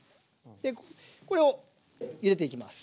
これをゆでていきます。